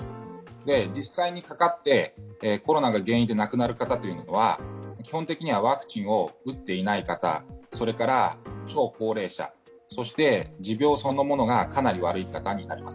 実際にかかってコロナが原因で亡くなる方というのは基本的にはワクチンを打っていない方それから超高齢者、そして持病そのものがかなり悪い方になります。